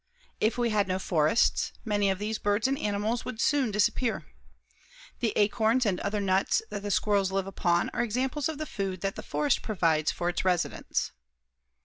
If we had no forests, many of these birds and animals would soon disappear. The acorns and other nuts that the squirrels live upon are examples of the food that the forest provides for its residents.